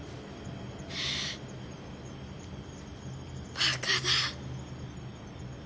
バカだ。